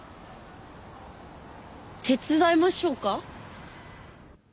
手伝いましょうか？